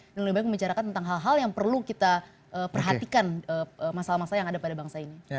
jadi kita harus membicarakan tentang hal hal yang perlu kita perhatikan masalah masalah yang ada pada bangsa ini